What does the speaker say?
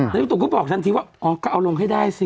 แล้วพี่ตุ๋ก็บอกทันทีว่าอ๋อก็เอาลงให้ได้สิ